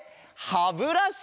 ハブラシ！